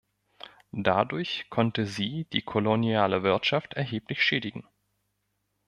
Dadurch konnte sie die koloniale Wirtschaft erheblich schädigen.